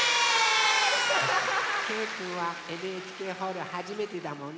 けいくんはＮＨＫホールはじめてだもんね。